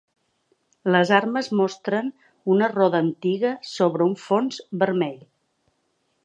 Les armes mostren una roda antiga sobre un fons vermell.